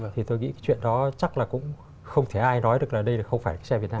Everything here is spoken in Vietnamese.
thì tôi nghĩ cái chuyện đó chắc là cũng không thể ai nói được là đây là không phải xe việt nam